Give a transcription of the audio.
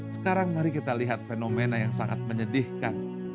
sekarang mari kita lihat fenomena yang sangat menyedihkan